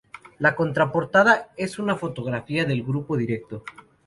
La contraportada es una fotografía del grupo en directo.